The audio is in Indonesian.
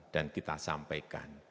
dan kita sampaikan